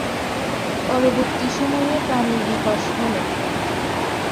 পরবর্তী সময়ে প্রাণের বিকাশ হল।